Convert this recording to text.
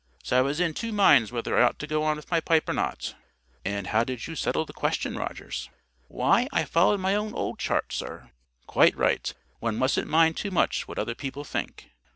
So I was in two minds whether I ought to go on with my pipe or not." "And how did you settle the question, Rogers?" "Why, I followed my own old chart, sir." "Quite right. One mustn't mind too much what other people think."